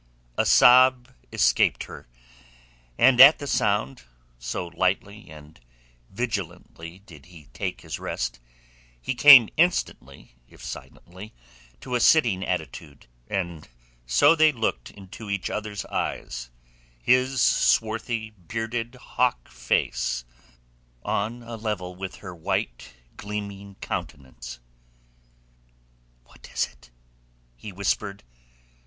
A sob escaped her, and at the sound, so lightly and vigilantly did he take his rest, he came instantly if silently to a sitting attitude; and so they looked into each other's eyes, his swarthy, bearded hawk face on a level with her white gleaming countenance. "What is it?" he whispered.